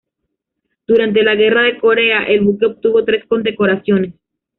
Durante la Guerra de Corea el buque obtuvo tres condecoraciones.